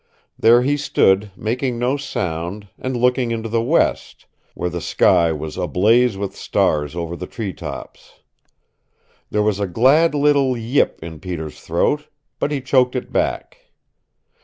There he stood, making no sound, and looking into the west, where the sky was ablaze with stars over the tree tops. There was a glad little yip in Peter's throat, but he choked it back.